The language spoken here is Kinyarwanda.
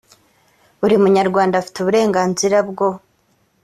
buri munyarwanda afite uburenganzira bwo